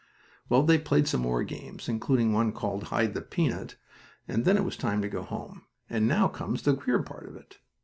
Well, they played some more games, including one called hide the peanut, and then it was time to go home; and now comes the queer part of it.